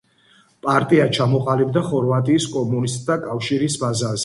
პარტია ჩამოყალიბდა ხორვატიის კომუნისტთა კავშირის ბაზაზე.